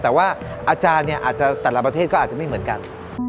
แต่ว่าอาจารย์เนี่ยอาจจะแต่ละประเทศก็อาจจะไม่เหมือนกัน